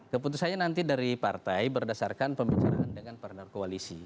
keputusannya nanti dari partai berdasarkan pembicaraan dengan partner koalisi